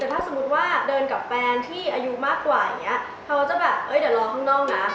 แต่ถ้าสมมติว่าเดินกับแบบแปลนที่อายุมากกว่าก็จะแบบเดียวรอฟังนอกนะ